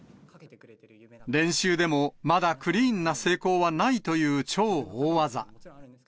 練習でもまだクリーンな成功はないという超大技。